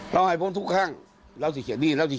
แล้วเขียนไว้